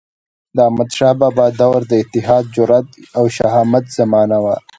د احمدشاه بابا دور د اتحاد، جرئت او شهامت زمانه وه.